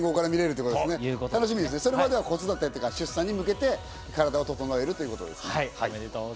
ただしそれまでは出産に向けて体を整えるということですね。